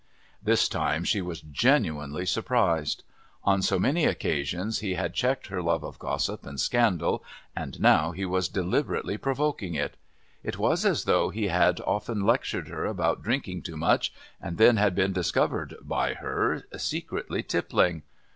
This time she was genuinely surprised. On so many occasions he had checked her love of gossip and scandal and now he was deliberately provoking it. It was as though he had often lectured her about drinking too much and then had been discovered by her, secretly tippling.